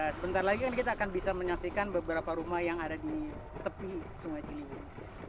sebentar lagi kan kita akan bisa menyaksikan beberapa rumah yang ada di tepi sungai ciliwung